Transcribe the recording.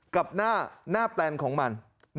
กับหน้าแปลนของมัน